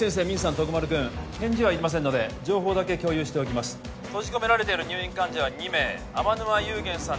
徳丸くん返事はいりませんので情報だけ共有しておきます閉じ込められている入院患者は２名天沼夕源さん